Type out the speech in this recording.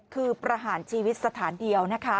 คือประหารชีวิตสถานเดียวนะคะ